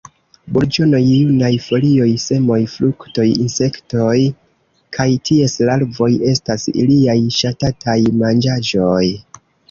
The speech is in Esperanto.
Burĝonoj, junaj folioj, semoj, fruktoj, insektoj kaj ties larvoj estas iliaj ŝatataj manĝaĵoj.